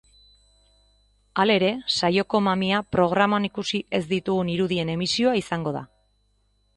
Halere, saioko mamia programan ikusi ez ditugun irudien emisioa izango da.